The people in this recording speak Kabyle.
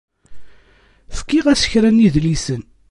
Fkiɣ-as kra n yidlisen.